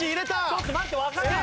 ちょっと待ってわからん。